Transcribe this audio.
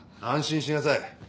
安心しなさい。